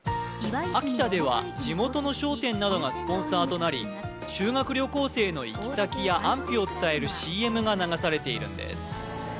秋田では地元の商店などがスポンサーとなり修学旅行生の行き先や安否を伝えるＣＭが流されているんです